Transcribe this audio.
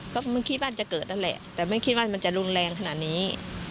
ก็ไม่คิดว่าจะเกิดนั่นแหละแต่ไม่คิดว่ามันจะรุนแรงขนาดนี้